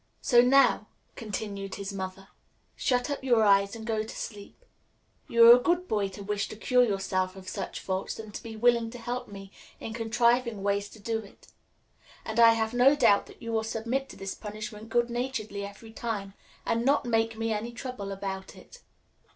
"So now," continued his mother, "shut up your eyes and go to sleep. You are a good boy to wish to cure yourself of such faults, and to be willing to help me in contriving ways to do it. And I have no doubt that you will submit to this punishment good naturedly every time, and not make me any trouble about it."